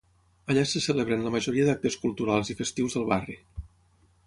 Allà se celebren la majoria d'actes culturals i festius del barri.